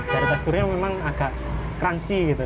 dari teksturnya memang agak crunchy gitu